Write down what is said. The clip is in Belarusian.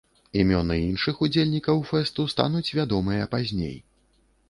Імёны іншых удзельнікаў фэсту стануць вядомыя пазней.